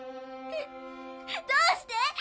どうして？